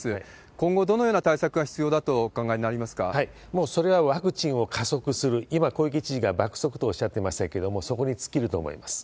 今後、どのような対策が必要だともうそれはワクチンを加速する、今、小池知事が爆速とおっしゃってましたけど、そこに尽きると思います。